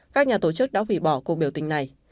các nhà tổ chức đã hủy bỏ cuộc biểu tình này